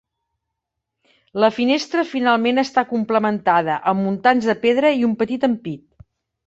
La finestra finalment està complementada amb muntants de pedra i un petit ampit.